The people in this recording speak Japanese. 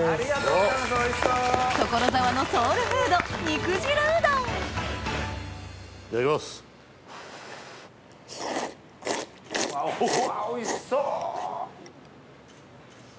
うわおいしそう！